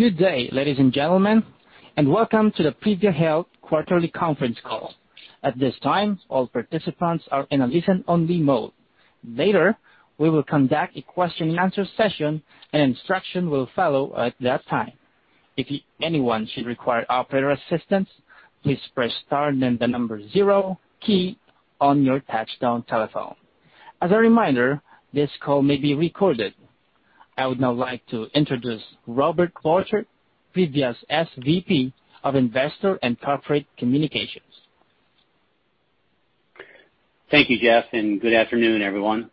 Good day, ladies and gentlemen, and welcome to the Privia Health Quarterly Conference Call. At this time, all participants are in a listen only mode. Later, we will conduct a question and answer session, and instruction will follow at that time. If anyone should require operator assistance, please press star, then the number zero key on your touchtone telephone. As a reminder, this call may be recorded. I would now like to introduce Robert Borchert, Privia's SVP of Investor & Corporate Communications. Thank you, Jeff. Good afternoon, everyone.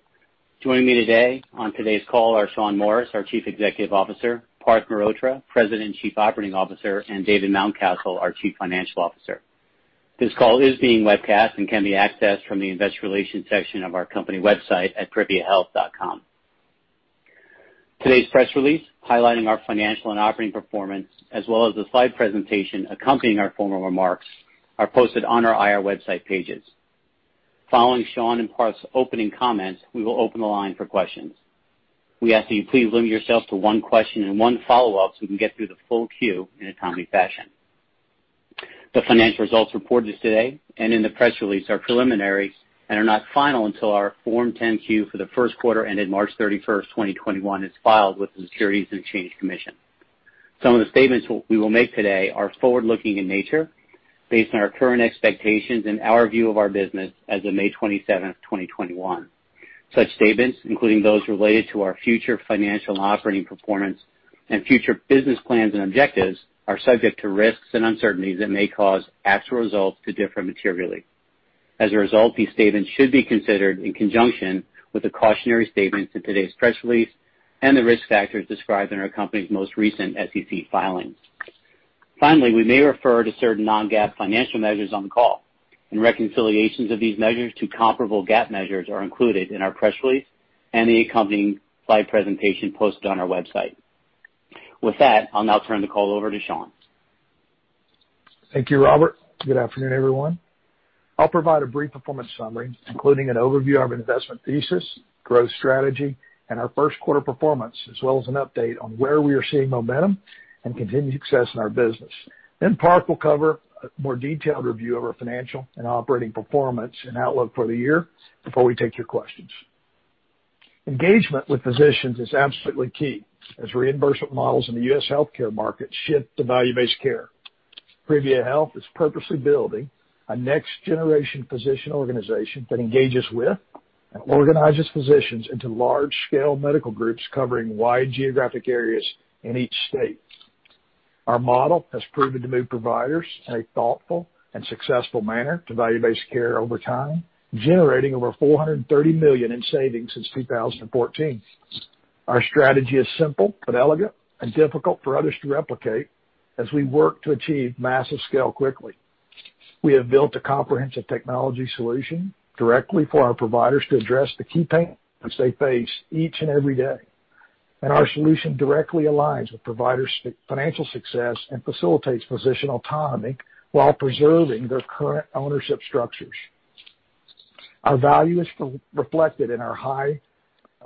Joining me today on today's call are Shawn Morris, our Chief Executive Officer, Parth Mehrotra, President and Chief Operating Officer, and David Mountcastle, our Chief Financial Officer. This call is being webcast and can be accessed from the Investor Relations section of our company website at priviahealth.com. Today's press release highlighting our financial and operating performance, as well as the slide presentation accompanying our formal remarks, are posted on our IR website pages. Following Shawn and Parth's opening comments, we will open the line for questions. We ask that you please limit yourself to one question and one follow-up so we can get through the full queue in a timely fashion. The financial results reported today and in the press release are preliminary and are not final until our Form 10-Q for the first quarter ending March 31st, 2021 is filed with the Securities and Exchange Commission. Some of the statements we will make today are forward-looking in nature based on our current expectations and our view of our business as of May 27th 2021. Such statements, including those related to our future financial and operating performance and future business plans and objectives, are subject to risks and uncertainties that may cause actual results to differ materially. As a result, these statements should be considered in conjunction with the cautionary statements in today's press release and the risk factors described in our company's most recent SEC filings. We may refer to certain non-GAAP financial measures on the call, and reconciliations of these measures to comparable GAAP measures are included in our press release and the accompanying slide presentation posted on our website. With that, I'll now turn the call over to Shawn. Thank you, Robert. Good afternoon, everyone. I'll provide a brief performance summary, including an overview of investment thesis, growth strategy, and our first quarter performance, as well as an update on where we are seeing momentum and continued success in our business. Parth will cover a more detailed review of our financial and operating performance and outlook for the year before we take your questions. Engagement with physicians is absolutely key as reimbursement models in the US healthcare market shift to value-based care. Privia Health is purposely building a next generation physician organization that engages with and organizes physicians into large scale medical groups covering wide geographic areas in each state. Our model has proven to move providers in a thoughtful and successful manner to value-based care over time, generating over $430 million in savings since 2014. Our strategy is simple but elegant and difficult for others to replicate as we work to achieve massive scale quickly. We have built a comprehensive technology solution directly for our providers to address the key pain points they face each and every day. Our solution directly aligns with providers' financial success and facilitates physician autonomy while preserving their current ownership structures. Our value is reflected in our high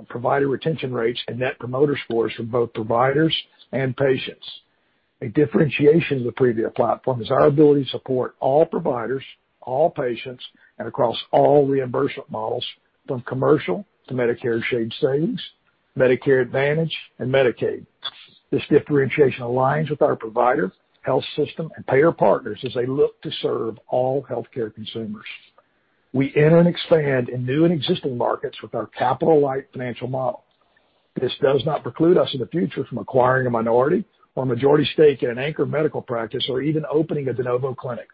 provider retention rates and Net Promoter Scores from both providers and patients. A differentiation of the Privia platform is our ability to support all providers, all patients, and across all reimbursement models from commercial to Medicare Shared Savings, Medicare Advantage, and Medicaid. This differentiation aligns with our provider, health system, and payer partners as they look to serve all healthcare consumers. We enter and expand in new and existing markets with our capital light financial model. This does not preclude us in the future from acquiring a minority or majority stake in an anchor medical practice or even opening a de novo clinic.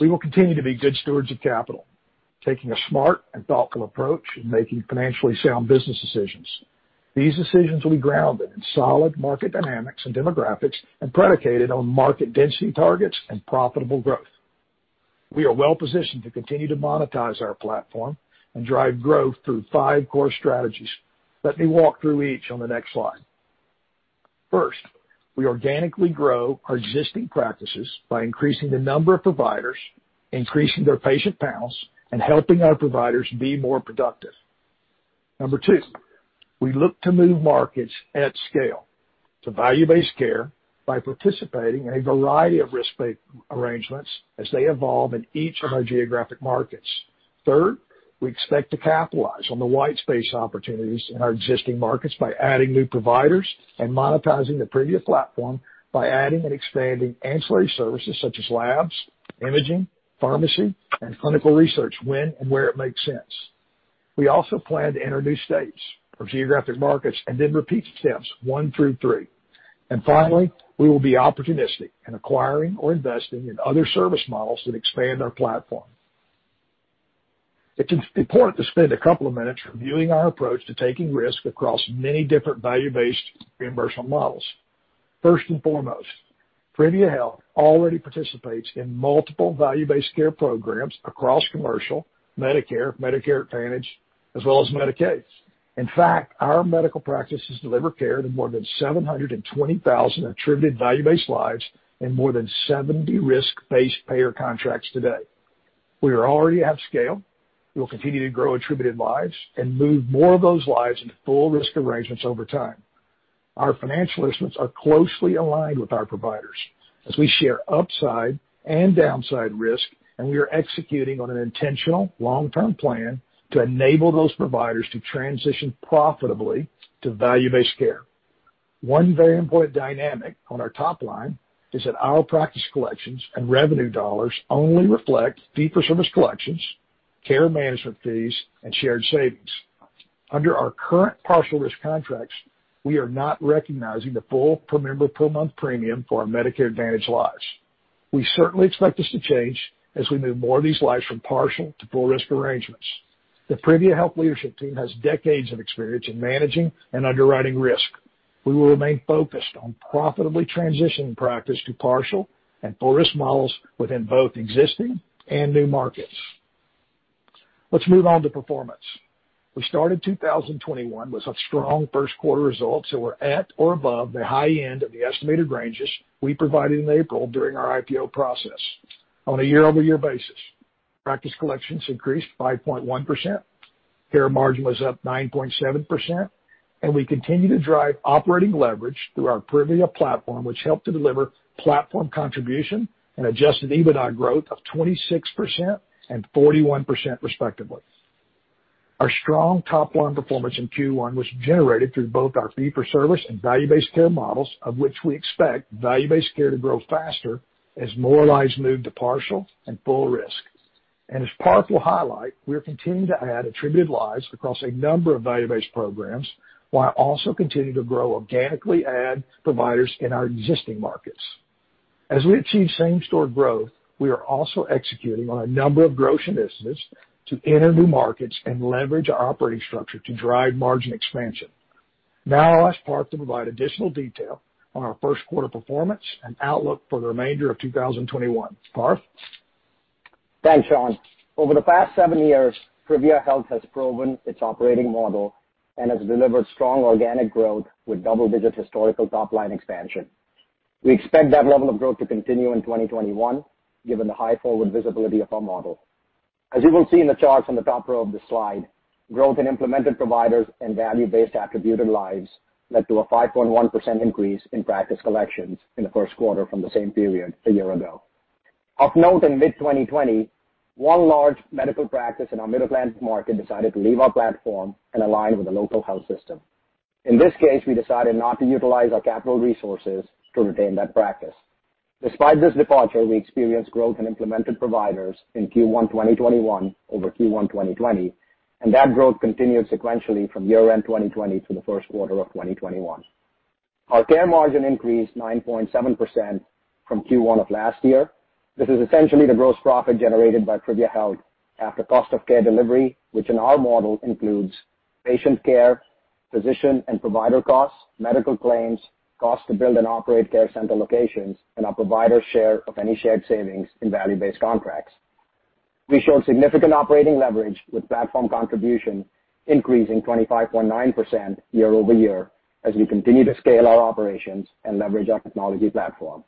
We'll continue to be good stewards of capital, taking a smart and thoughtful approach in making financially sound business decisions. These decisions will be grounded in solid market dynamics and demographics and predicated on market density targets and profitable growth. We are well-positioned to continue to monetize our platform and drive growth through five core strategies. Let me walk through each on the next slide. First, we organically grow our existing practices by increasing the number of providers, increasing their patient panels, and helping our providers be more productive. Number two, we look to move markets at scale to value-based care by participating in a variety of risk-based arrangements as they evolve in each of our geographic markets. Third, we expect to capitalize on the white space opportunities in our existing markets by adding new providers and monetizing the Privia platform by adding and expanding ancillary services such as labs, imaging, pharmacy, and clinical research when and where it makes sense. We also plan to enter new states or geographic markets and then repeat steps one through three. Finally, we will be opportunistic in acquiring or investing in other service models that expand our platform. It's important to spend a couple of minutes reviewing our approach to taking risks across many different value-based reimbursement models. First and foremost, Privia Health already participates in multiple value-based care programs across commercial, Medicare, Medicare Advantage, as well as Medicaid. In fact, our medical practices deliver care to more than 720,000 attributed value-based lives in more than 70 risk-based payer contracts today. We are already at scale. We'll continue to grow attributed lives and move more of those lives into full risk arrangements over time. Our financial interests are closely aligned with our providers as we share upside and downside risk, and we are executing on an intentional long-term plan to enable those providers to transition profitably to value-based care. One very important dynamic on our top line is that our practice collections and revenue dollars only reflect fee-for-service collections, care management fees, and shared savings. Under our current partial risk contracts, we are not recognizing the full per-member per-month premium for our Medicare Advantage lives. We certainly expect this to change as we move more of these lives from partial to full risk arrangements. The Privia Health leadership team has decades of experience in managing and underwriting risk. We will remain focused on profitably transitioning practice to partial and full risk models within both existing and new markets. Let's move on to performance. We started 2021 with some strong first quarter results that were at or above the high end of the estimated ranges we provided in April during our IPO process. On a year-over-year basis, practice collections increased 5.1%, Care Margin was up 9.7%, and we continue to drive operating leverage through our Privia platform, which helped to deliver Platform Contribution and Adjusted EBITDA growth of 26% and 41% respectively. Our strong top-line performance in Q1 was generated through both our fee-for-service and value-based care models, of which we expect value-based care to grow faster as more lives move to partial and full risk. As Parth will highlight, we are continuing to add attributed lives across a number of value-based programs, while also continuing to grow organically and add providers in our existing markets. As we achieve same-store growth, we are also executing on a number of growth initiatives to enter new markets and leverage our operating structure to drive margin expansion. Now I'll ask Parth to provide additional detail on our first quarter performance and outlook for the remainder of 2021. Parth? Thanks, Shawn. Over the past seven years, Privia Health has proven its operating model and has delivered strong organic growth with double-digit historical top-line expansion. We expect that level of growth to continue in 2021, given the high forward visibility of our model. As you will see in the chart from the top row of the slide, growth in implemented providers and value-based attributed lives led to a 5.1% increase in practice collections in the first quarter from the same period a year ago. Of note, in mid-2020, one large medical practice in our Mid-Atlantic market decided to leave our platform and align with a local health system. In this case, we decided not to utilize our capital resources to retain that practice. Despite this departure, we experienced growth in implemented providers in Q1 2021 over Q1 2020, and that growth continued sequentially from year-end 2020 to the first quarter of 2021. Our Care Margin increased 9.7% from Q1 of last year. This is essentially the gross profit generated by Privia Health after cost of care delivery, which in our model includes patient care, physician and provider costs, medical claims, cost to build and operate care center locations, and our provider share of any shared savings in value-based contracts. We showed significant operating leverage with Platform Contribution, increasing 25.9% year-over-year as we continue to scale our operations and leverage our technology platform.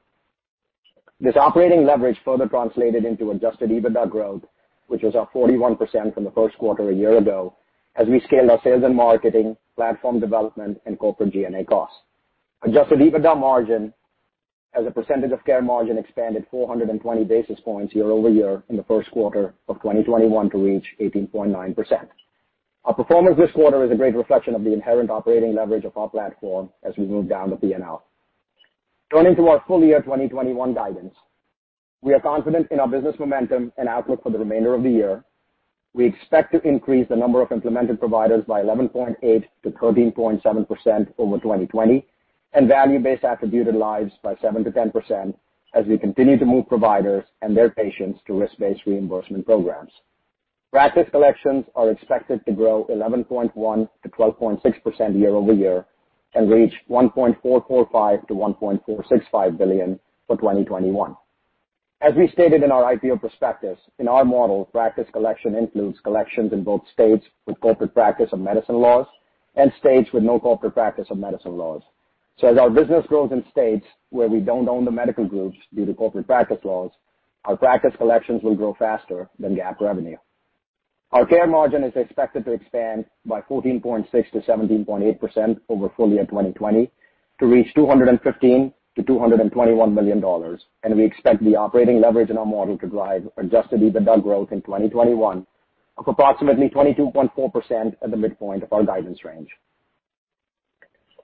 This operating leverage further translated into Adjusted EBITDA growth, which was up 41% from the first quarter a year ago as we scaled our sales and marketing, platform development, and corporate G&A costs. Adjusted EBITDA margin as a percentage of Care Margin expanded 420 basis points year-over-year in the first quarter of 2021 to reach 18.9%. Our performance this quarter is a great reflection of the inherent operating leverage of our platform as we move down the P&L. Turning to our full-year 2021 guidance, we are confident in our business momentum and outlook for the remainder of the year. We expect to increase the number of implemented providers by 11.8%-13.7% over 2020, and value-based attributed lives by 7%-10% as we continue to move providers and their patients to risk-based reimbursement programs. Practice collections are expected to grow 11.1%-12.6% year-over-year and reach $1.445 billion-$1.465 billion for 2021. As we stated in our IPO prospectus, in our model, practice collection includes collections in both states with corporate practice of medicine laws and states with no corporate practice of medicine laws. As our business grows in states where we don't own the medical groups due to corporate practice laws, our practice collections will grow faster than the cap revenue. Our Care Margin is expected to expand by 14.6%-17.8% over full-year 2020 to reach $215 million-$221 million, and we expect the operating leverage in our model to drive Adjusted EBITDA growth in 2021 of approximately 22.4% at the midpoint of our guidance range.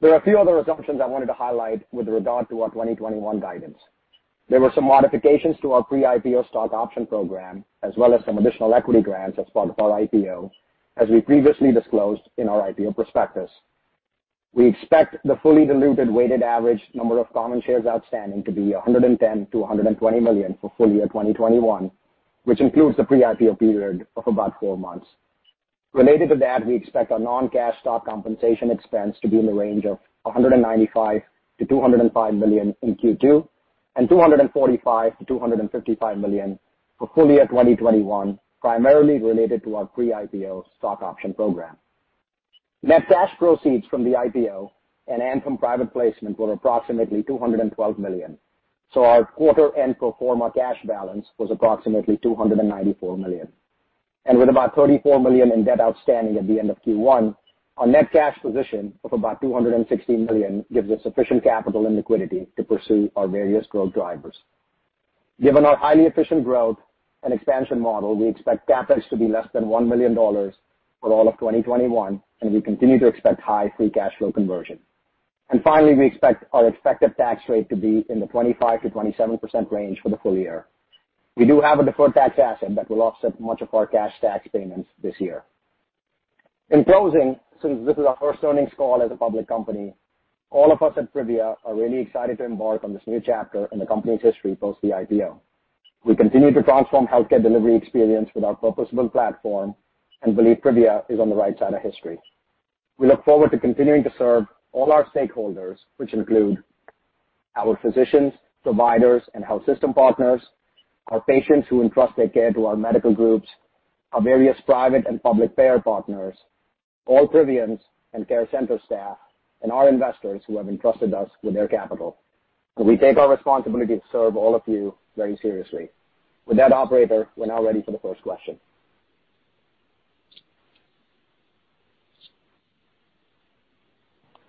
There are a few other assumptions I wanted to highlight with regard to our 2021 guidance. There were some modifications to our pre-IPO stock option program, as well as some additional equity grants as part of our IPO, as we previously disclosed in our IPO prospectus. We expect the fully diluted weighted average number of common shares outstanding to be 110 million-120 million for full-year 2021, which includes the pre-IPO period of about four months. Related to that, we expect our non-cash stock compensation expense to be in the range of $195 million-$205 million in Q2 and $245 million-$255 million for full-year 2021, primarily related to our pre-IPO stock option program. Net cash proceeds from the IPO and from private placement were approximately $212 million. Our quarter-end pro forma cash balance was approximately $294 million. With about $34 million in debt outstanding at the end of Q1, our net cash position of about $260 million gives us sufficient capital and liquidity to pursue our various growth drivers. Given our highly efficient growth and expansion model, we expect CapEx to be less than $1 million for all of 2021, and we continue to expect high free cash flow conversion. Finally, we expect our expected tax rate to be in the 25%-27% range for the full year. We do have a deferred tax asset that will offset much of our cash tax payments this year. In closing, since this is our first earnings call as a public company, all of us at Privia are really excited to embark on this new chapter in the company's history post the IPO. We continue to transform healthcare delivery experience with our purpose-built platform and believe Privia is on the right side of history. We look forward to continuing to serve all our stakeholders, which include our physicians, providers, and health system partners, our patients who entrust their care to our medical groups, our various private and public payer partners, all Privians and care center staff, and our investors who have entrusted us with their capital. We take our responsibility to serve all of you very seriously. With that, operator, we're now ready for the first question.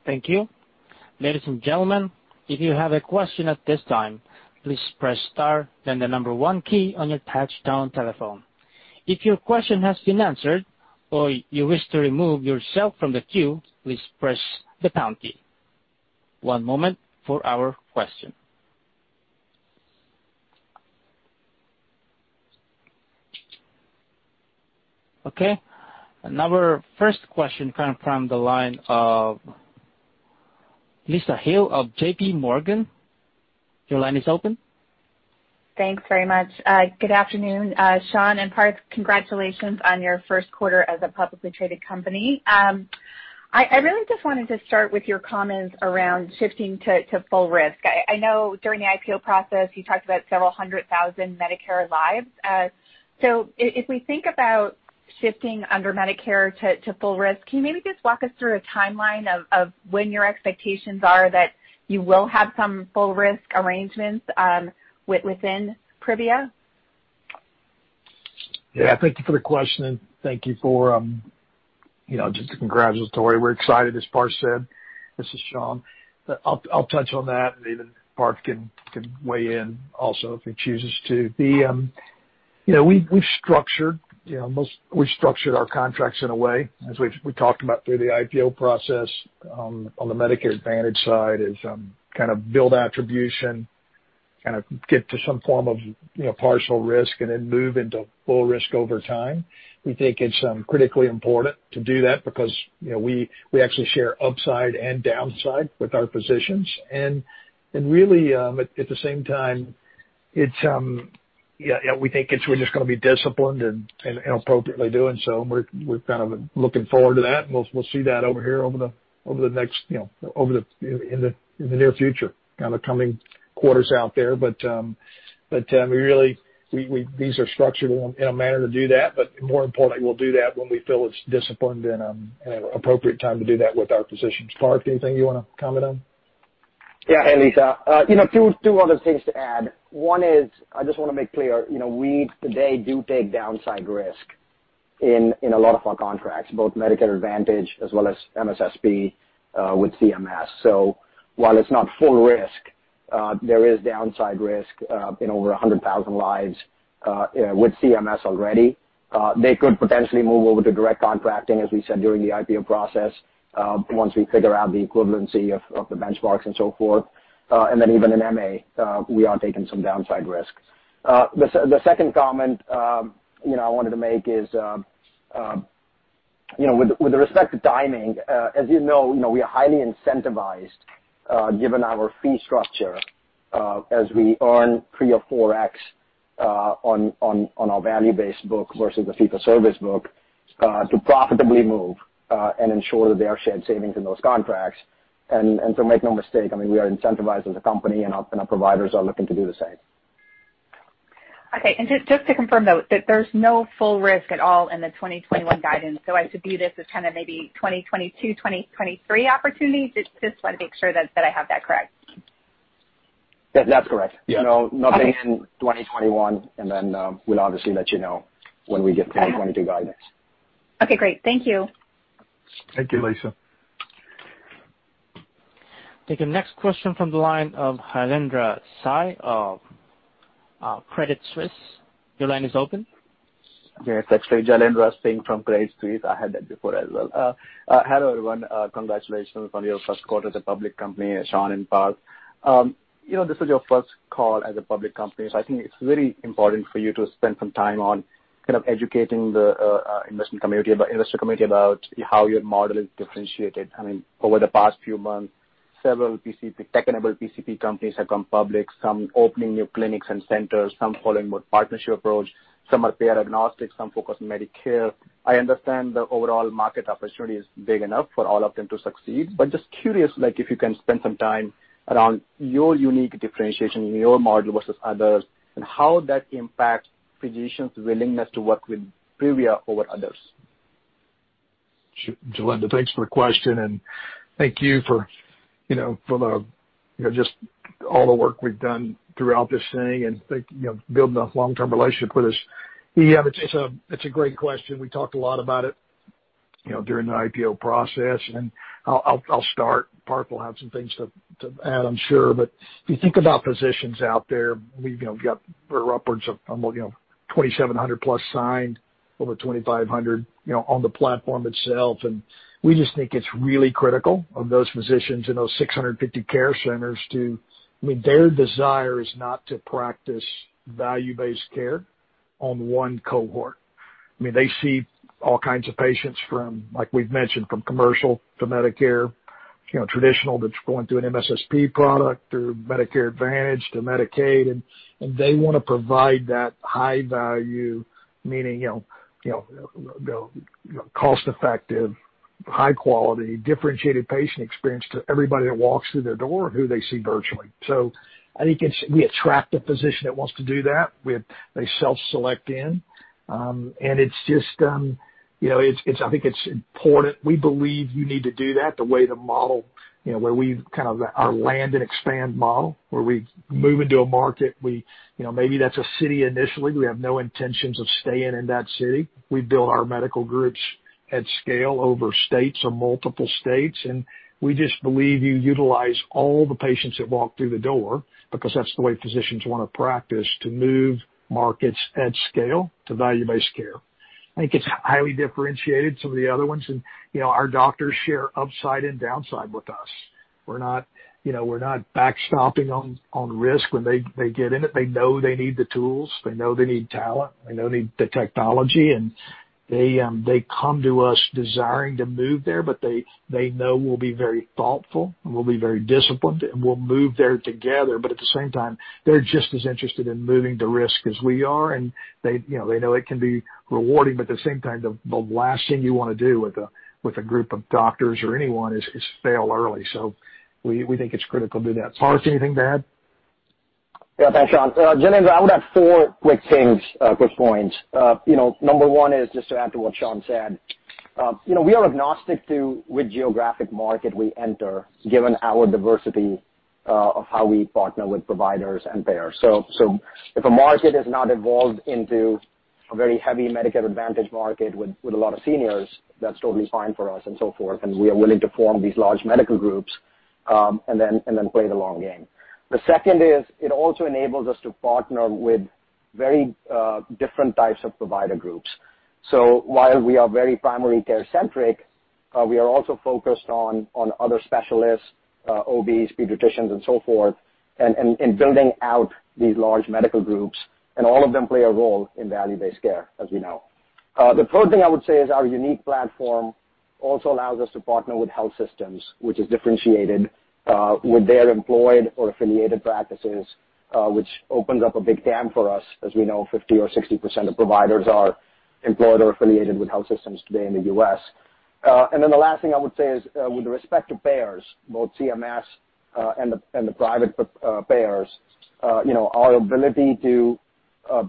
Thank you ladies and gentlemen if you have a question at this time please press star then number one key on your touch-tone telephone. If your question has been answered or you wish to remove yourself from the queue please press the pound key. One moment for our question. Okay, our first question coming from the line of Lisa Gill of JPMorgan. Your line is open. Thanks very much. Good afternoon, Shawn and Parth. Congratulations on your first quarter as a publicly traded company. I really just wanted to start with your comments around shifting to full risk. I know during the IPO process, you talked about several hundred thousand Medicare lives. If we think about shifting under Medicare to full risk, can you maybe just walk us through a timeline of when your expectations are that you will have some full risk arrangements within Privia? Yeah. Thank you for the question, and thank you for just the congratulatory. We're excited, as Parth said. This is Shawn. I'll touch on that, then Parth can weigh in also if he chooses to. We structured our contracts in a way, as we talked about through the IPO process on the Medicare Advantage side, is build attribution, get to some form of partial risk, and then move into full risk over time. We think it's critically important to do that because we actually share upside and downside with our physicians. Really, at the same time, we think it's really just going to be disciplined and appropriately doing so. We're looking forward to that, and we'll see that over here in the near future, the coming quarters out there. Really, these are structured in a manner to do that. More importantly, we'll do that when we feel it's disciplined and an appropriate time to do that with our physicians. Parth, anything you want to comment on? Yeah. Hey, Lisa. Two other things to add. One is, I just want to make clear, we today do take downside risk in a lot of our contracts, both Medicare Advantage as well as MSSP with CMS. While it's not full risk, there is downside risk in over 100,000 lives with CMS already. They could potentially move over to direct contracting, as we said during the IPO process, once we figure out the equivalency of the benchmarks and so forth. Then even in MA, we are taking some downside risk. The second comment I wanted to make is with respect to direct contracting, as you know, we are highly incentivized given our fee structure as we earn 3x or 4x on our value-based book versus a fee-for-service book to profitably move and ensure that they are seeing savings in those contracts. Make no mistake, we are incentivizing the company, and our providers are looking to do the same. Okay. Just to confirm, though, that there's no full risk at all in the 2021 guidance. I should view this as maybe 2022, 2023 opportunities? Just want to make sure that I have that correct. That's correct. Yeah. Nobody in 2021, and then we'll obviously let you know when we give 2022 guidance. Okay, great. Thank you. Thank you, Lisa. Taking next question from the line of Jailendra Singh of Credit Suisse. Your line is open. Yes. Thanks very much. Jailendra Singh from Credit Suisse. I had that before as well. Hello, everyone. Congratulations on your first quarter as a public company, Shawn and Parth. This is your first call as a public company. I think it's really important for you to spend some time on educating the investor community about how your model is differentiated. Over the past few months, several tech-enabled PCP companies have gone public, some opening new clinics and centers, some following with partnership approach, some are payer agnostic, some focus on Medicare. I understand the overall market opportunity is big enough for all of them to succeed. Just curious if you can spend some time around your unique differentiation in your model versus others and how that impacts physicians' willingness to work with Privia over others. Jailendra, thanks for the question, thank you for just all the work we've done throughout this thing and building a long-term relationship with us. Yeah, it's a great question. We talked a lot about it during the IPO process, I'll start. Parth will have some things to add, I'm sure. If you think about physicians out there, we've got upwards of 2,700+ signed, over 2,500 on the platform itself. We just think it's really critical of those physicians in those 650 care centers. Their desire is not to practice value-based care on one cohort. They see all kinds of patients from, like we've mentioned, from commercial to Medicare, traditional that's going through an MSSP product or Medicare Advantage to Medicaid. They want to provide that high value, meaning cost-effective, high quality, differentiated patient experience to everybody that walks through the door who they see virtually. I think we attract the physician that wants to do that. They self-select in. I think it's important. We believe you need to do that the way to model, where we kind of our land and expand model, where we move into a market. Maybe that's a city initially. We have no intentions of staying in that city. We build our medical groups at scale over states or multiple states, and we just believe you utilize all the patients that walk through the door because that's the way physicians want to practice to move markets at scale to value-based care. I think it's highly differentiated, some of the other ones, and our doctors share upside and downside with us. We're not backstopping on risk when they get in it. They know they need the tools. They know they need talent. They know they need the technology, and they come to us desiring to move there, but they know we'll be very thoughtful, and we'll be very disciplined, and we'll move there together. At the same time, they're just as interested in moving the risk as we are, and they know it can be rewarding, but at the same time, the last thing you want to do with a group of doctors or anyone is fail early. We think it's critical to do that. Parth, anything to add? Thanks, Shawn. Jailendra, I would have four quick points. Number one is just to add to what Shawn said. If a market has not evolved into a very heavy Medicare Advantage market with a lot of seniors, that's totally fine for us and so forth, and we are willing to form these large medical groups, and then play the long game. The second is it also enables us to partner with very different types of provider groups. While we are very primary care centric, we are also focused on other specialists, OBs, pediatricians, and so forth, and building out these large medical groups, and all of them play a role in value-based care, as you know. The third thing I would say is our unique platform also allows us to partner with health systems, which is differentiated with their employed or affiliated practices which opens up a big TAM for us. As we know, 50 or 60% of providers are employed or affiliated with health systems today in the U.S. Then the last thing I would say is with respect to payers, both CMS and the private payers, our ability to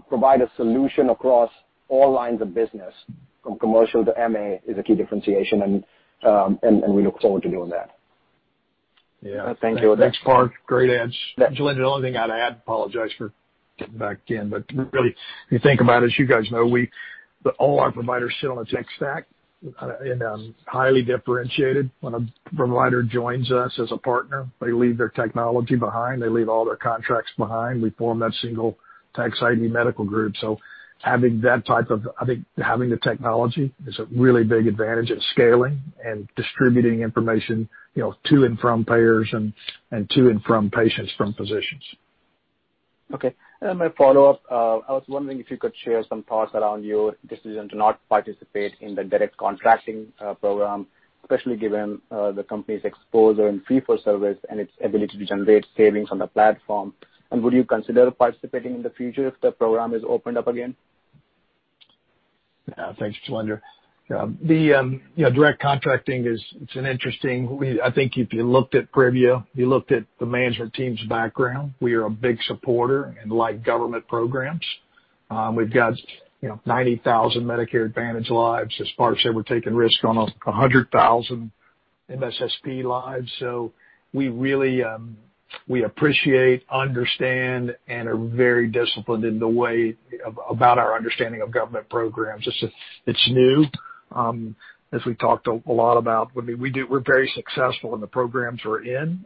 provide a solution across all lines of business from commercial to MA is a key differentiation, and we look forward to doing that. Yeah. Thanks, Parth. Great answer. Jailendra, the only thing I'd add, apologize for getting back in, really if you think about it, as you guys know, all our providers sit on a tech stack and highly differentiated. When a provider joins us as a partner, they leave their technology behind. They leave all their contracts behind. We form that single tax ID medical group. Having the technology is a really big advantage at scaling and distributing information to and from payers and to and from patients from physicians. Okay. My follow-up, I was wondering if you could share some thoughts around your decision to not participate in the direct contracting program, especially given the company's exposure in fee-for-service and its ability to generate savings on the platform. Would you consider participating in the future if the program is opened up again? Yeah. Thanks, Jailendra. direct contracting, I think if you looked at Privia, you looked at the management team's background. We are a big supporter in like government programs. We've got 90,000 Medicare Advantage lives. As Parth said, we're taking risks on 100,000 MSSP lives. We appreciate, understand, and are very disciplined in the way about our understanding of government programs. It's new. As we talked a lot about, we're very successful in the programs we're in.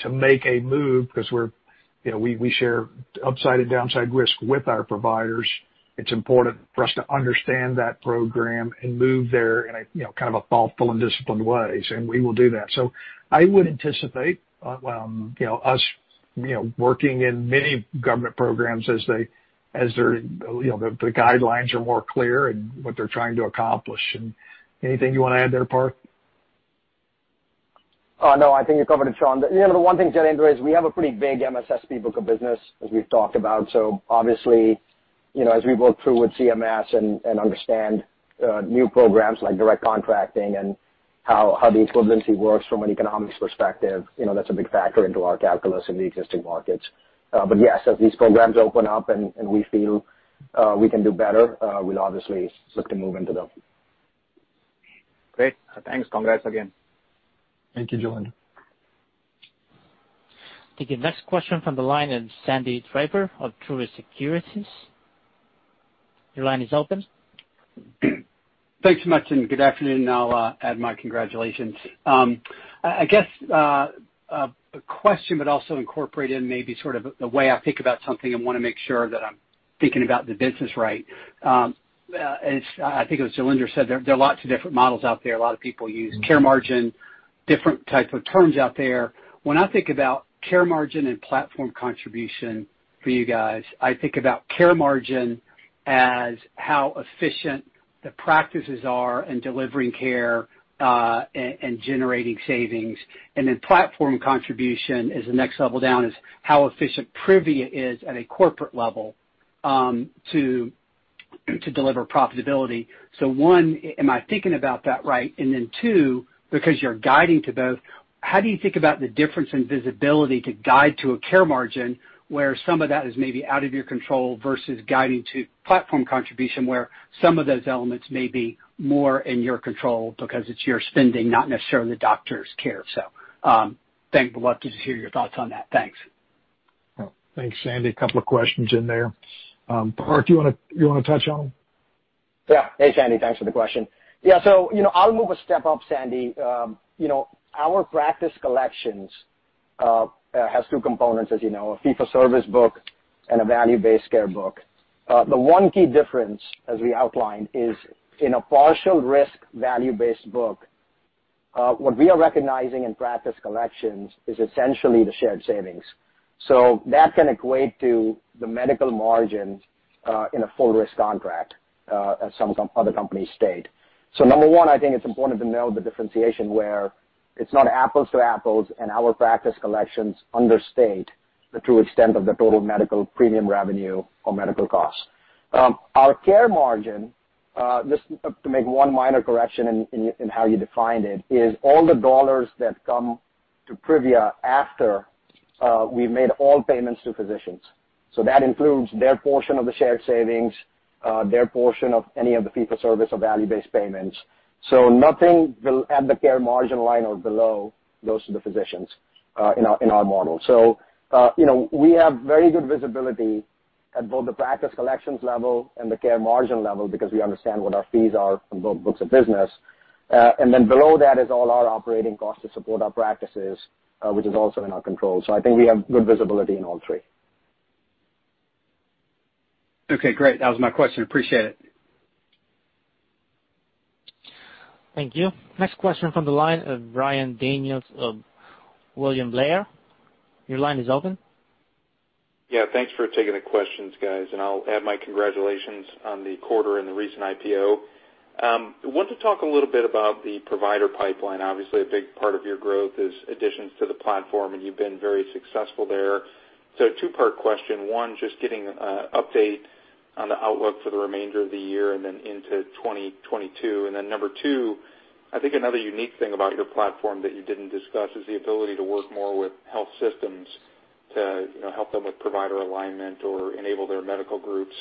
To make a move because we share upside and downside risk with our providers, it's important for us to understand that program and move there in thoughtful and disciplined ways, and we will do that. I would anticipate us working in many government programs as the guidelines are more clear and what they're trying to accomplish. Anything you want to add there, Parth? I think you covered it, Shawn. The one thing, Jailendra, is we have a pretty big MSSP book of business, as we've talked about. Obviously, as we work through with CMS and understand new programs like direct contracting and how the incentives work from an economics perspective, that's a big factor into our calculus in the existing markets. Yes, as these programs open up and We can do better. We'll obviously certainly move into those. Great. Thanks. Congrats again. Thank you, Jailendra. Take the next question from the line of Sandy Draper of Truist Securities. Your line is open. Thanks so much. Good afternoon. I'll add my congratulations. I guess, a question but also incorporate in maybe sort of the way I think about something, I want to make sure that I'm thinking about the business right. I think as Jailendra said, there are lots of different models out there. A lot of people use Care Margin, different types of terms out there. When I think about Care Margin and Platform Contribution for you guys, I think about Care Margin as how efficient the practices are in delivering care, and generating savings. Then Platform Contribution is the next level down, is how efficient Privia is at a corporate level to deliver profitability. One, am I thinking about that right? Two, because you're guiding to both, how do you think about the difference in visibility to guide to a Care Margin where some of that is maybe out of your control versus guiding to Platform Contribution, where some of those elements may be more in your control because it's your spending, not necessarily the doctor's care? Would love to just hear your thoughts on that. Thanks. Thanks, Sandy. A couple of questions in there. Parth, do you want to touch on them? Hey, Sandy, thanks for the question. I'll go a step up, Sandy. Our practice collections has two components, as you know, a fee-for-service book and a value-based care book. The one key difference, as we outlined, is in a partial risk value-based book, what we are recognizing in practice collections is essentially the shared savings. That's going to equate to the medical margin in a full risk contract as some other companies state. Number one, I think it's important to know the differentiation where it's not apples to apples, and our practice collections understate the true extent of the total medical premium revenue or medical costs. Our Care Margin, just to make one minor correction in how you defined it, is all the dollars that come to Privia after we've made all payments to physicians. That includes their portion of the shared savings, their portion of any of the fee-for-service or value-based payments. Nothing at the Care Margin line or below goes to the physicians in our model. We have very good visibility at both the practice collections level and the Care Margin level because we understand what our fees are in both books of business. Below that is all our operating costs to support our practices, which is also in our control. I think we have good visibility in all three. Okay, great. That was my question. Appreciate it. Thank you. Next question from the line of Ryan Daniels of William Blair. Your line is open. Yeah, thanks for taking the questions, guys. I'll add my congratulations on the quarter and the recent IPO. I want to talk a little bit about the provider pipeline. Obviously, a big part of your growth is additions to the platform, and you've been very successful there. Two-part question. One, just getting an update on the outlook for the remainder of the year and then into 2022. Number two, I think another unique thing about your platform that you didn't discuss is the ability to work more with health systems to help them with provider alignment or enable their medical groups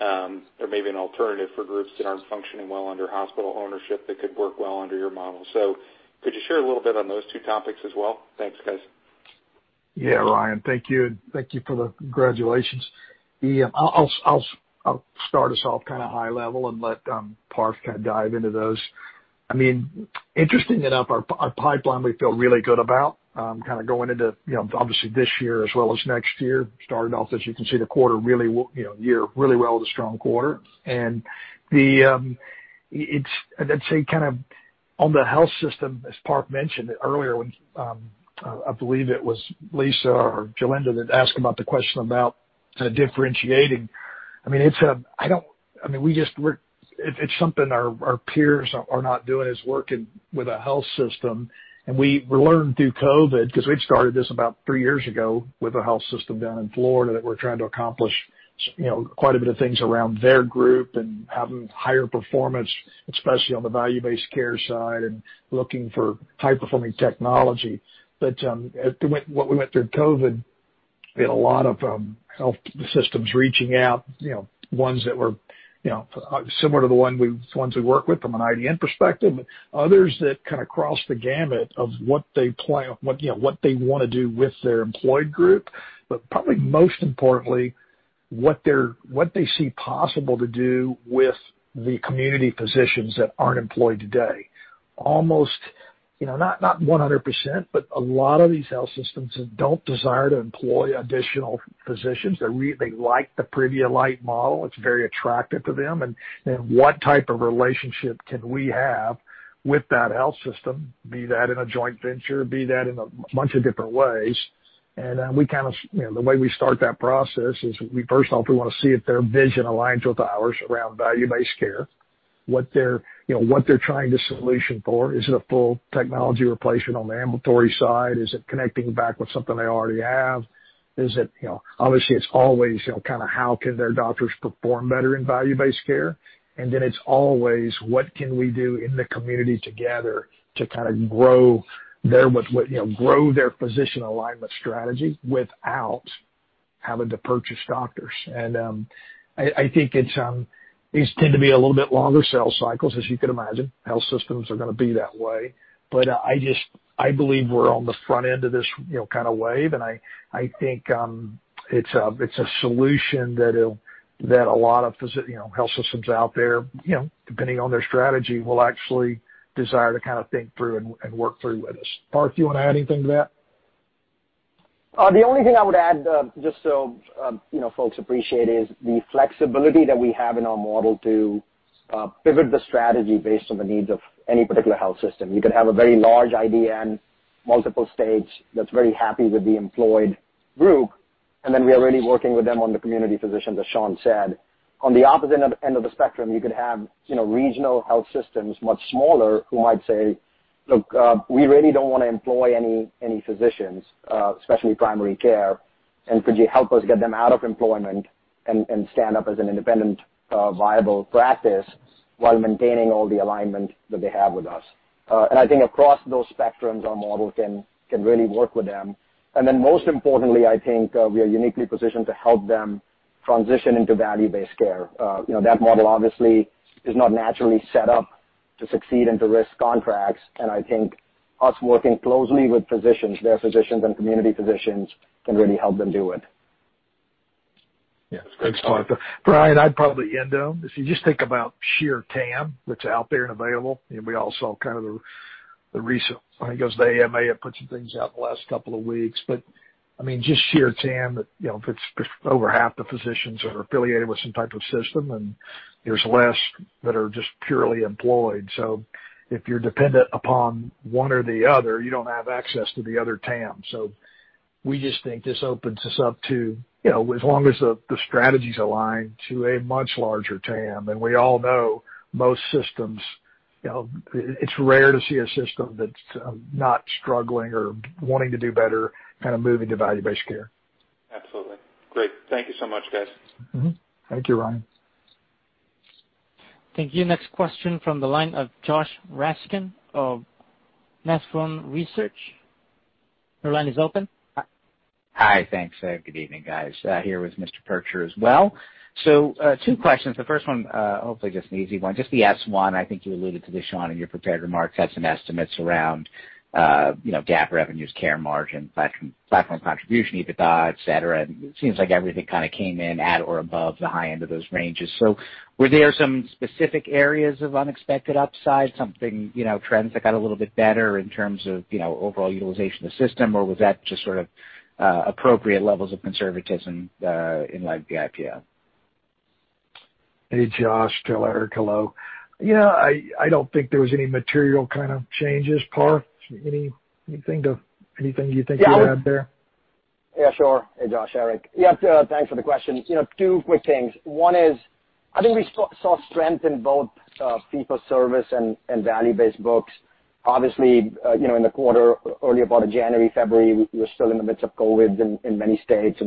or maybe an alternative for groups that aren't functioning well under hospital ownership that could work well under your model. Could you share a little bit on those two topics as well? Thanks, guys. Yeah, Ryan. Thank you, and thank you for the congratulations. I'll start us off kind of high level and let Parth dive into those. Interesting enough, our pipeline we feel really good about, kind of going into obviously this year as well as next year. Starting off, as you can see, the quarter really well, the year really well with a strong quarter. I'd say on the health system, as Parth mentioned earlier, I believe it was Lisa or Jailendra that asked about the question about differentiating. It's something our peers are not doing, is working with a health system. We learned through COVID, because we started this about three years ago with a health system down in Florida that we're trying to accomplish quite a bit of things around their group and having higher performance, especially on the value-based care side and looking for high-performing technology. What we went through COVID, we had a lot of health systems reaching out, ones that were similar to the ones we work with from an IDN perspective, others that kind of crossed the gamut of what they want to do with their employed group. Probably most importantly, what they see possible to do with the community physicians that aren't employed today. Almost, not 100%, but a lot of these health systems don't desire to employ additional physicians. They like the Privia Lite model. It's very attractive to them. What type of relationship can we have with that health system, be that in a joint venture, be that in a bunch of different ways. The way we start that process is we first off, we want to see if their vision aligns with ours around value-based care, what they're trying to solution for. Is it a full technology replacement on the ambulatory side? Is it connecting back with something they already have? Obviously, it's always how can their doctors perform better in value-based care? It's always what can we do in the community together to grow their physician alignment strategy without having to purchase doctors. I think these tend to be a little bit longer sales cycles, as you can imagine. Health systems are going to be that way. I believe we're on the front end of this kind of wave, and I think it's a solution that a lot of health systems out there, depending on their strategy, will actually desire to think through and work through with us. Parth, you want to add anything to that? The only thing I would add, just so folks appreciate, is the flexibility that we have in our model to pivot the strategy based on the needs of any particular health system. You could have a very large IDN, multiple states, that's very happy with the employed group, and then we're already working with them on the community physicians, as Shawn said. On the opposite end of the spectrum, you can have regional health systems much smaller who might say, "Look, we really don't want to employ any physicians, especially primary care, and could you help us get them out of employment and stand up as an independent, viable practice while maintaining all the alignment that they have with us?" I think across those spectrums, our model can really work with them. Most importantly, I think we are uniquely positioned to help them transition into value-based care. That model obviously is not naturally set up to succeed into risk contracts, and I think us working closely with physicians, their physicians, and community physicians can really help them do it. Yeah. Thanks, Parth. Ryan, I'd probably end them. If you just think about sheer TAM that's out there and available, we all saw the recent, I guess, the AMA put some things out the last couple of weeks. Just sheer TAM, if it's over half the physicians that are affiliated with some type of system, there's less that are just purely employed. If you're dependent upon one or the other, you don't have access to the other TAM. We just think this opens us up to, as long as the strategy's aligned to a much larger TAM, we all know most systems, it's rare to see a system that's not struggling or wanting to do better, kind of moving to value-based care. Absolutely. Great. Thank you so much, guys. Mm-hmm. Thank you, Ryan. Thank you. Next question from the line of Josh Raskin of Nephron Research. Your line is open. Hi. Thanks. Good evening, guys. Here with Mr. Percher As well. Two questions. The first one, hopefully just an easy one. The S-1, I think you alluded to this, Shawn, in your prepared remarks, had some estimates around GAAP revenues, Care Margin, Platform Contribution, EBITDA, et cetera. It seems like everything came in at or above the high end of those ranges. Were there some specific areas of unexpected upside, trends that got a little bit better in terms of overall utilization of the system? Was that just appropriate levels of conservatism in light of the IPO? Hey, Josh. Eric, hello. I don't think there was any material changes. Parth, anything you think you would add there? Yeah, sure. Hey, Josh. Eric. Yep, thanks for the question. Two quick things. One is, I think we saw strength in both fee-for-service and value-based books. Obviously, in the quarter, early part of January, February, we were still in the midst of COVID in many states.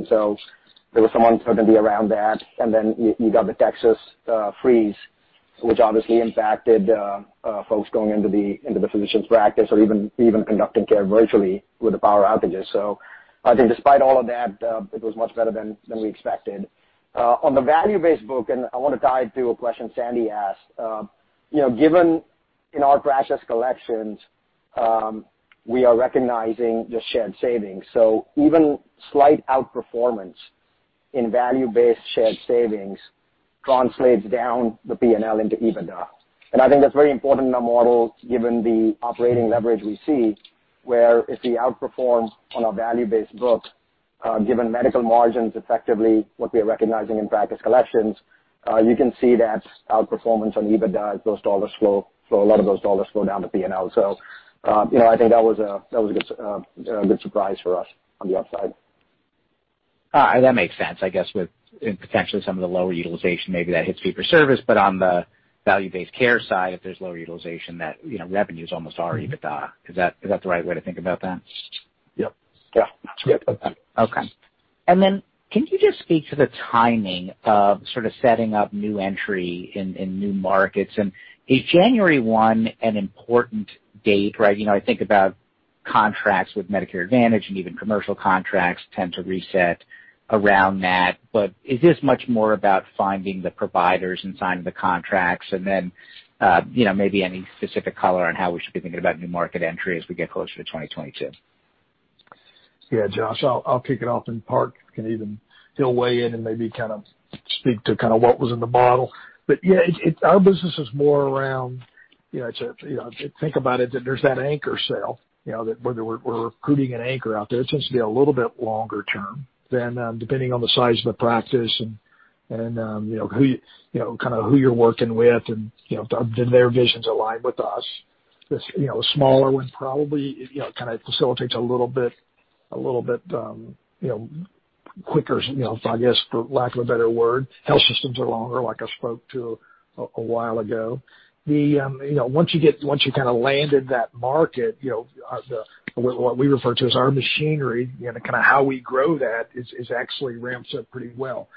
There was some uncertainty around that. You got the Texas freeze, which obviously impacted folks going into the physician's practice or even conducting care virtually with the power outages. I think despite all of that, it was much better than we expected. On the value-based book, I want to tie it to a question Sandy asked. Given in our practice collections, we are recognizing the shared savings. Even slight outperformance in value-based shared savings translates down the P&L into EBITDA. I think that's very important in our model given the operating leverage we see, where if we outperform on our value-based books, given medical margins effectively what we are recognizing in practice collections, you can see that outperformance on EBITDA, those dollars flow down to P&L. I think that was a good surprise for us on the upside. That makes sense, I guess, with potentially some of the lower utilization, maybe that hits fee-for-service. On the value-based care side, if there's lower utilization that revenues almost already EBITDA. Is that the right way to think about that? Yep. Okay. Can you just speak to the timing of setting up new entry in new markets? Is January 1 an important date? I think about contracts with Medicare Advantage and even commercial contracts tend to reset around that. Is this much more about finding the providers and signing the contracts? Maybe any specific color on how we should think about new market entry as we get closer to 2022? Yeah, Josh, I'll kick it off and Parth can even still weigh in and maybe speak to what was in the model. Yeah, our business is more around, to think about it, that there's that anchor sale, that we're recruiting an anchor out there. It's going to be a little bit longer term than depending on the size of the practice and who you're working with and their visions align with us. The smaller ones probably facilitate a little bit quicker, for lack of a better word. Health systems are longer, like I spoke to a while ago. Once you landed that market, what we refer to as our machinery, how we grow that is actually ramps up pretty well.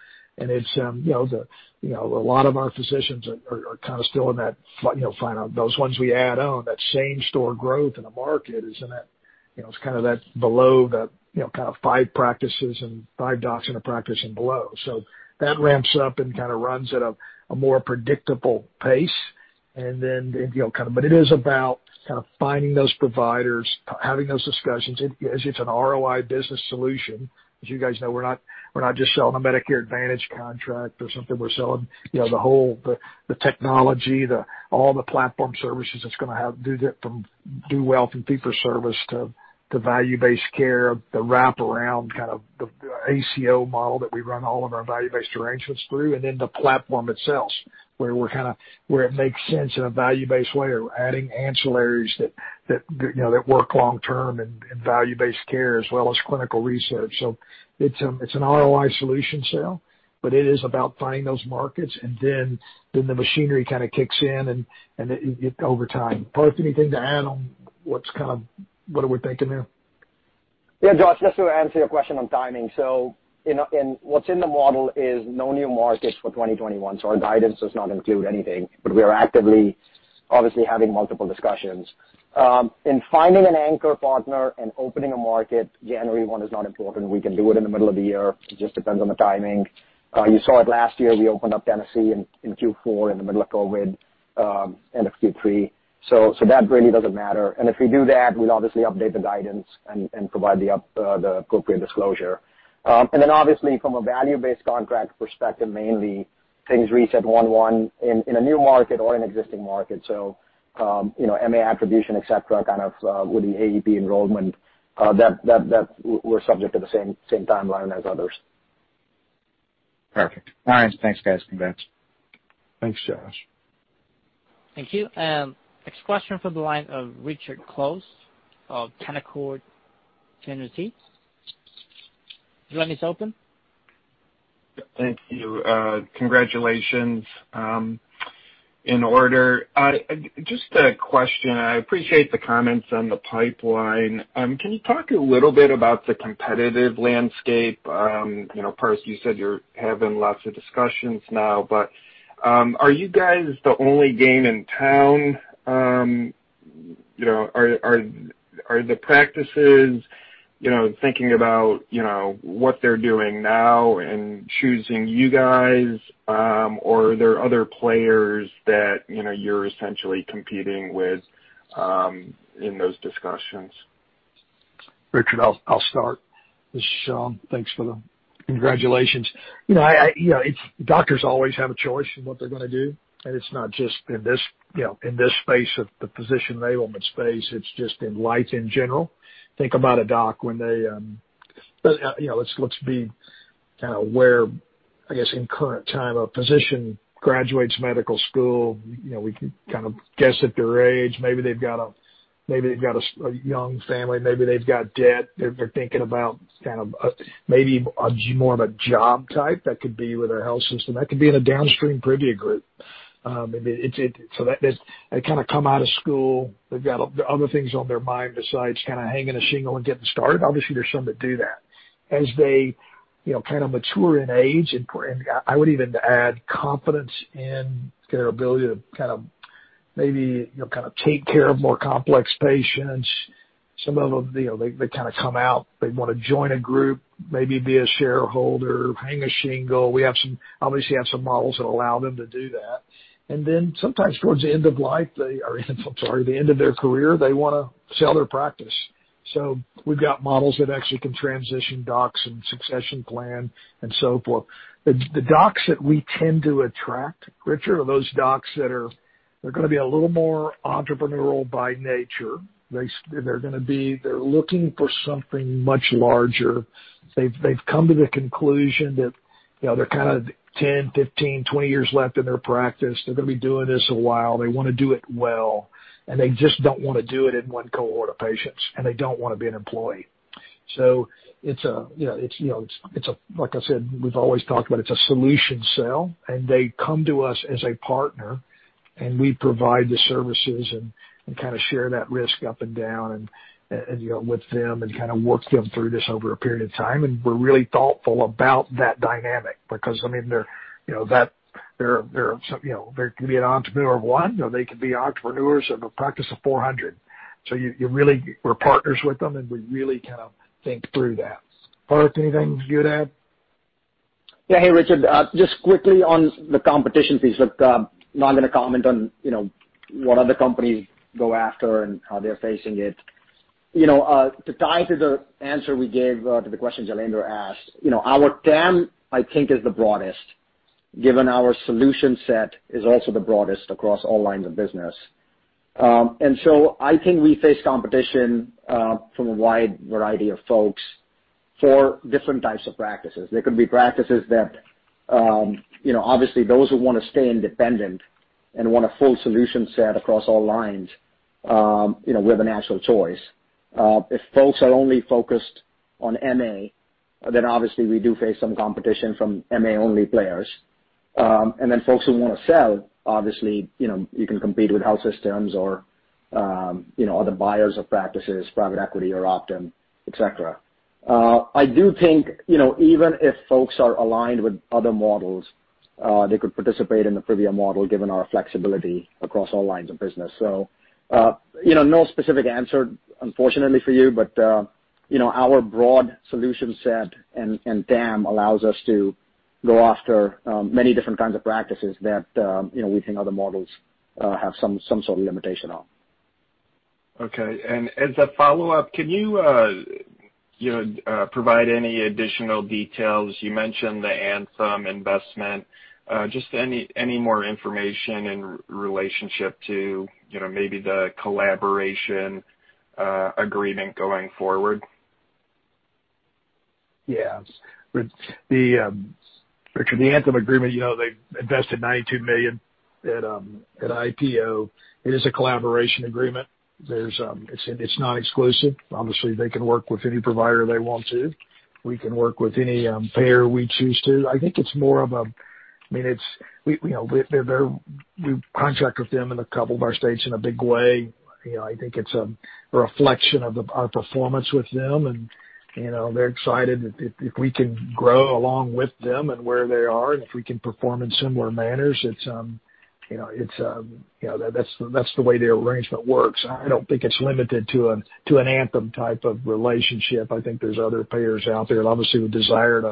A lot of our physicians are still in that, those ones we add on, that same-store growth in the market is that below the five practices and five docs in a practice and below. That ramps up and runs at a more predictable pace. It is about finding those providers, having those discussions. It's an ROI business solution. As you guys know, we're not just selling a Medicare Advantage contract or something. We're selling the whole, the technology, all the platform services that's going to help them do well and fee-for-service to the value-based care, the wraparound, the ACO model that we run all of our value-based arrangements through, and then the platform itself, where it makes sense in a value-based way. We're adding ancillaries that work long term in value-based care as well as clinical research. It's an ROI solution sale, but it is about finding those markets, and then the machinery kicks in and over time. Parth, anything to add on what are we thinking there? Yeah, Josh, just to answer your question on timing. In what's in the model is no new markets for 2021. Our guidance does not include anything, but we are actively, obviously, having multiple discussions. In finding an anchor partner and opening a market, January 1 is not important. We can do it in the middle of the year. It just depends on the timing. You saw it last year, we opened up Tennessee in Q4 in the middle of COVID, and in Q3. That really doesn't matter. If we do that, we'd obviously update the guidance and provide the appropriate disclosure. Then obviously from a value-based contract perspective, mainly things reset 1/1 in a new market or an existing market. MA acquisition, et cetera, with the AEP enrollment, that we're subject to the same timeline as others. Perfect. All right. Thanks, guys. Congrats. Thanks, Josh. Thank you. Next question from the line of Richard Close of Canaccord Genuity. Do you want this open? Thank you. Congratulations, in order. Just a question. I appreciate the comments on the pipeline. Can you talk a little bit about the competitive landscape? Parth, you said you're having lots of discussions now, but are you guys the only game in town? Are there other players that you're essentially competing with in those discussions? Richard, I'll start. Thanks for the congratulations. Doctors always have a choice in what they're going to do, and it's not just in this space of the physician enablement space, it's just in life in general. Think about a doc when they, let's be aware, I guess, in current time, a physician graduates medical school, we can guess at their age. Maybe they've got a young family. Maybe they've got debt. They're thinking about maybe more of a job type that could be with our health system. That could be in a downstream Privia Group. They come out of school. They've got other things on their mind besides hanging a shingle and getting started. Obviously, there are some that do that. As they mature in age, and I would even add competence in their ability to maybe take care of more complex patients. Some of them, they come out, they want to join a group, maybe be a shareholder, hang a shingle. We obviously have some models that allow them to do that. Sometimes towards the end of their career, they want to sell their practice. We've got models that actually can transition docs and succession plan and so forth. The docs that we tend to attract, Richard, are those docs that are going to be a little more entrepreneurial by nature. They're looking for something much larger. They've come to the conclusion that they're 10, 15, 20 years left in their practice. They're going to be doing this a while. They want to do it well. They just don't want to do it in one cohort of patients, and they don't want to be an employee. Like I said, we've always talked about it's a solution sale, and they come to us as a partner, and we provide the services and share that risk up and down and with them and work them through this over a period of time. We're really thoughtful about that dynamic because they can be an entrepreneur of one, or they can be entrepreneurs of a practice of 400. We're partners with them, and we really think through that. Parth, anything you can add? Hey, Richard. Just quickly on the competition piece. Look, I'm not going to comment on what other companies go after and how they're facing it. To tie to the answer we gave to the question that Jailendra asked, our TAM, I think, is the broadest, given our solution set is also the broadest across all lines of business. I think we face competition from a wide variety of folks for different types of practices. There could be practices that, obviously those who want to stay independent and want a full solution set across all lines, we're the natural choice. If folks are only focused on MA, obviously we do face some competition from MA-only players. Folks who want to sell, obviously, you can compete with health systems or the buyers of practices, private equity or Optum, et cetera. I do think even if folks are aligned with other models, they could participate in the Privia model given our flexibility across all lines of business. No specific answer unfortunately for you, but our broad solution set and TAM allows us to go after many different kinds of practices that we think other models have some sort of limitation on. Okay. As a follow-up, can you provide any additional details? You mentioned the Anthem investment, just any more information in relationship to maybe the collaboration agreement going forward? Yes. Richard, the Anthem agreement, they invested $92 million at IPO. It is a collaboration agreement. It's not exclusive. Obviously, they can work with any provider they want to. We can work with any payer we choose to. We contract with them in a couple of our states in a big way. I think it's a reflection of our performance with them and they're excited. If we can grow along with them and where they are, and if we can perform in similar manners, that's the way the arrangement works. I don't think it's limited to an Anthem type of relationship. I think there's other payers out there, obviously, with desire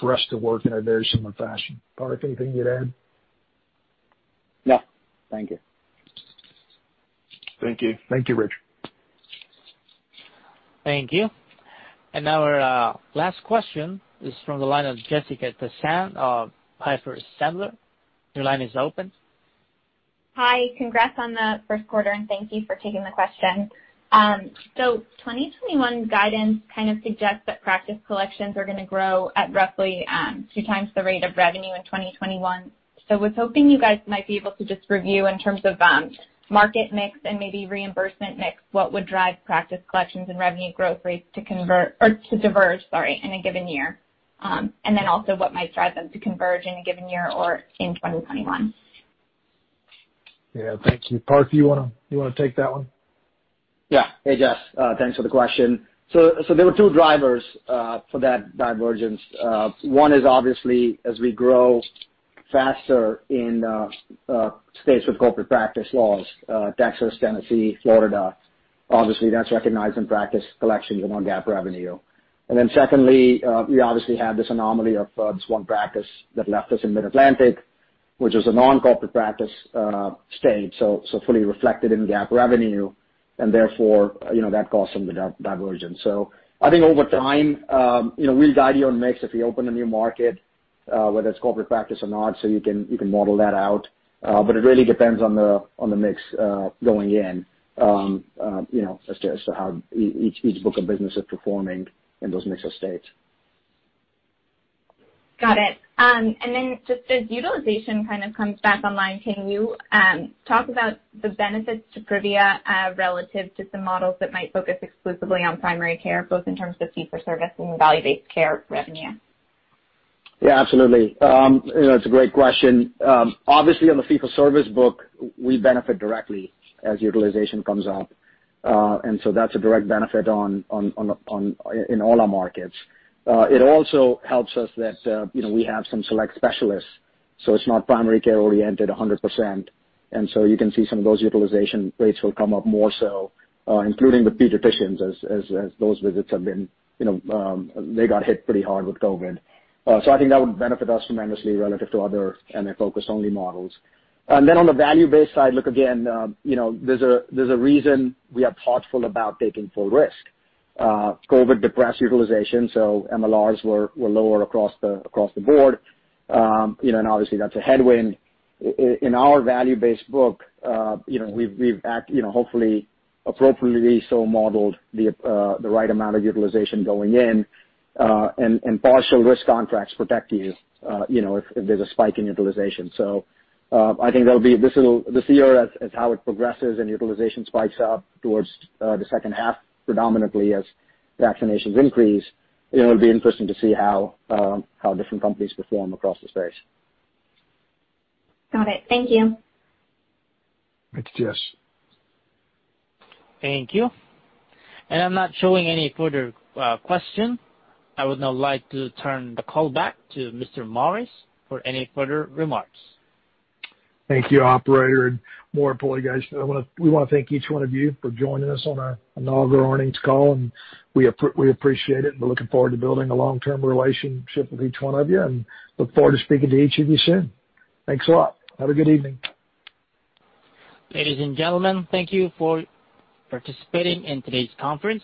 for us to work in a very similar fashion. Parth, anything you'd add? No. Thank you. Thank you. Thank you, Richard. Thank you. Our last question is from the line of Jessica Tassan of Piper Sandler. Your line is open. Hi, congrats on the first quarter, and thank you for taking the question. 2021 guidance kind of suggests that practice collections are going to grow at roughly 2x the rate of revenue in 2021. I was hoping you guys might be able to just review in terms of market mix and maybe reimbursement mix, what would drive practice collections and revenue growth rates to convert or to diverge, sorry, in a given year. Also what might drive them to converge in a given year or in 2021? Yeah, thank you. Parth, you want to take that one? Yeah. Hey, Jess, thanks for the question. There were two drivers for that divergence. One is obviously as we grow faster in states with corporate practice laws, Texas, Tennessee, Florida, obviously that's recognized in practice collections and GAAP revenue. Secondly, we obviously had this anomaly of one practice that left us in Mid-Atlantic, which is a non-corporate practice state, fully reflected in GAAP revenue, therefore, that caused some divergence. I think over time, we've guided our mix. If you open a new market, whether it's corporate practice or not, you can model that out. It really depends on the mix going in. It's just how each book of business is performing in those mixed states. Got it. Just as utilization kind of comes back online, can you talk about the benefits to Privia relative to some models that might focus exclusively on primary care, both in terms of fee-for-service and value-based care revenue? Yeah, absolutely. That's a great question. On the fee-for-service book, we benefit directly as utilization comes up. That's a direct benefit in all our markets. It also helps us that we have some select specialists, so it's not primary care oriented 100%. You can see some of those utilization rates will come up more so, including with pediatricians as those visits got hit pretty hard with COVID. I think that would benefit us tremendously relative to other kind of focus-only models. On the value-based side, look, again, there's a reason we are thoughtful about taking full risk. COVID depressed utilization, MLRs were lower across the board. Obviously, that's a headwind. In our value-based book, we've hopefully appropriately so modeled the right amount of utilization going in. Partial risk contracts protect you if there's a spike in utilization. I think this year as how it progresses and utilization spikes up towards the second half, predominantly as vaccinations increase, it'll be interesting to see how different companies perform across the space. Got it. Thank you. Thank you, Jess. Thank you. I'm not showing any further question. I would now like to turn the call back to Shawn Morris for any further remarks. Thank you, operator, and more importantly, guys, we want to thank each one of you for joining us on our inaugural earnings call, and we appreciate it. We're looking forward to building a long-term relationship with each one of you and look forward to speaking to each of you soon. Thanks a lot. Have a good evening. Ladies and gentlemen, thank you for participating in today's conference.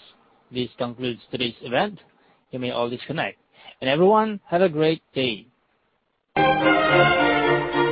This concludes today's event. You may all disconnect. Everyone, have a great day.